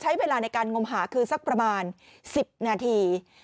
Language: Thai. ใช้เวลาในการงมหาคือสักประมาณ๑๐นาที